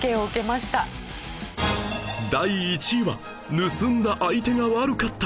第１位は盗んだ相手が悪かった！